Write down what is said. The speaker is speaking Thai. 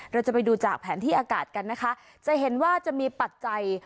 เราจะไปดูจากแผนที่อากาศกันนะคะจะเห็นว่าจะมีปัจจัย